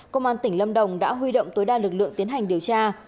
công an tỉnh lâm đồng đã huy động tối đa lực lượng tiến hành điều tra